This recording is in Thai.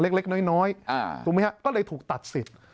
เล็กน้อยถูกไหมฮะก็เลยถูกตัดสิทธิ์